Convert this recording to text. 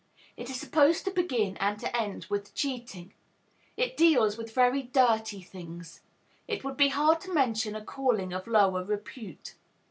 It is supposed to begin and to end with cheating; it deals with very dirty things. It would be hard to mention a calling of lower repute.